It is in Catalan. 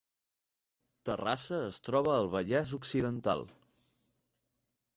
Terrassa es troba al Vallès Occidental